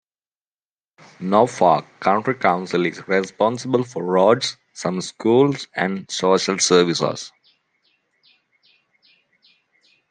Norfolk County Council is responsible for roads, some schools, and social services.